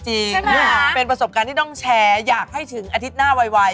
จริงเป็นประสบการณ์ที่ต้องแชร์อยากให้ถึงอาทิตย์หน้าไว